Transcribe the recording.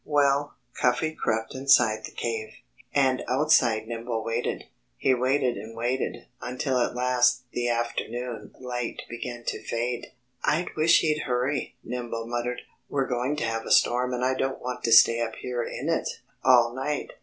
Well, Cuffy crept inside the cave. And outside Nimble waited. He waited and waited, until at last the afternoon light began to fade. "I wish he'd hurry," Nimble muttered. "We're going to have a storm and I don't want to stay up here in it, all night."